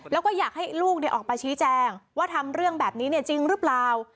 แล้วก็อยากให้ลูกออกมาชี้แจงว่าทำเรื่องแบบนี้จริงหรือเปล่า